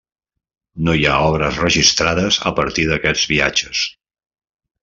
No hi ha obres registrades a partir d'aquests viatges.